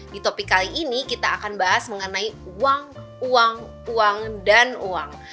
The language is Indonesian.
di topik kali ini kita akan bahas mengenai uang uang dan uang